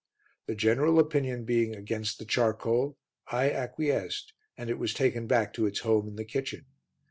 The general opinion being against the charcoal, I acquiesced and it was taken back to its home in the kitchen.